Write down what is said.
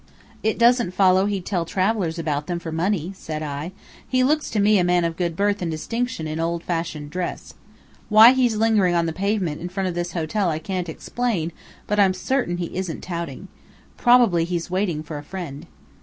"It doesn't follow he'd tell travellers about them for money," said I. "He looks to me a man of good birth and distinction in old fashioned dress. Why he's lingering on the pavement in front of this hotel I can't explain, but I'm certain he isn't touting. Probably he's waiting for a friend."